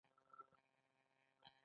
کړکېچونه په اصل کې د تضاد پایله ده